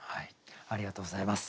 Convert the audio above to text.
ありがとうございます。